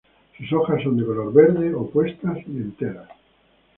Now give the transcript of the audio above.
Sus hojas son de color verde, opuestas y enteras.